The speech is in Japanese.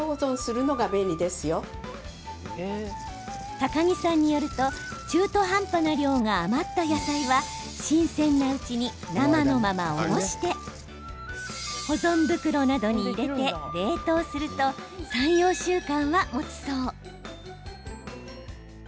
高城さんによると中途半端な量が余った野菜は新鮮なうちに生のままおろして保存袋などに入れて冷凍すると３、４週間はもつそう。